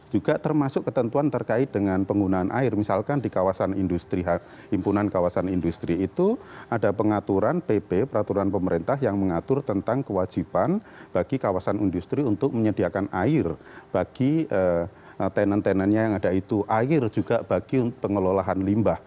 juga termasuk ketentuan terkait dengan penggunaan air misalkan di kawasan industri himpunan kawasan industri itu ada pengaturan pp peraturan pemerintah yang mengatur tentang kewajiban bagi kawasan industri untuk menyediakan air bagi tenan tenannya yang ada itu air juga bagi pengelolaan limbah